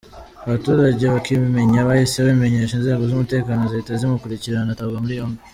Abaturage bakibimenya bahise babimenyesha inzego z’umutekano zihita zimukurikirana atabwa muri yombi.